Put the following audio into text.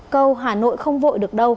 câu hà nội không vội được đâu